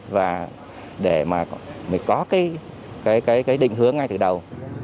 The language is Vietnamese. và để mà mình có cái định hướng ngay từ đầu